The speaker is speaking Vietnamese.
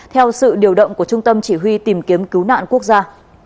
theo sự điều động của trung tâm chỉ huy tìm kiếm cứu nạn quốc gia